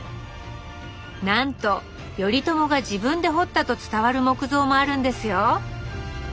なんと頼朝が自分で彫ったと伝わる木像もあるんですよ